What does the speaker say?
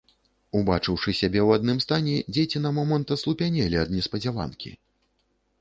Убачыўшы сябе ў адным стане, дзеці на момант аслупянелі ад неспадзяванкі.